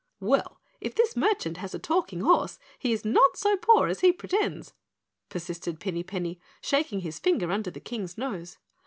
"Well, if this merchant has a talking horse, he is not so poor as he pretends," persisted Pinny Penny, shaking his finger under the King's nose.